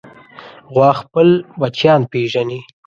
غوا خپل بچیان پېژني.